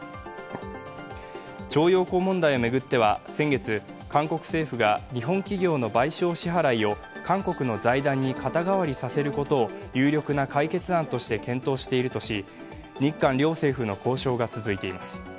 徴用工問題を巡っては先月、韓国政府が日本企業の賠償支払いを韓国の財団に肩代わりさせることを有力な解決案として検討しているとし日韓両政府の交渉が続いています。